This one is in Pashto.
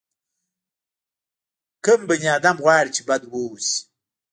کوم بني ادم غواړي چې بد واوسي.